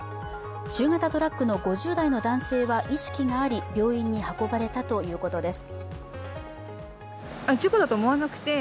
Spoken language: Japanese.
中型トラックの５０代の男性は意識があり病院に運ばれたということです。